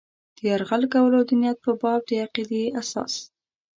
د یرغل کولو د نیت په باب د عقیدې اساس.